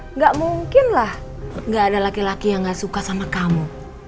enggak mungkin lah engga ada laki laki yang engga suka sama kamu